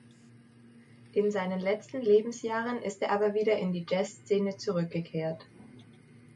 In seinen letzten Lebensjahren ist er aber wieder in die Jazzszene zurückgekehrt.